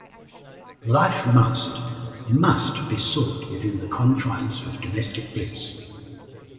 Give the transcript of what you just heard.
Life must must be sought within the confines of domestic bliss.